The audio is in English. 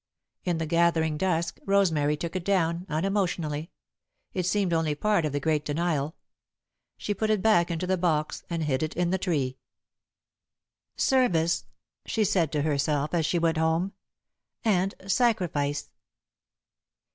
In the gathering dusk, Rosemary took it down, unemotionally. It seemed only part of the great denial. She put it back into the box, and hid it in the tree. "Service," she said to herself, as she went home, "and sacrifice.